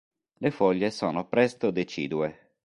Le foglie sono presto decidue.